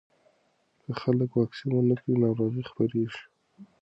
که خلک واکسین ونه کړي، ناروغي خپرېږي.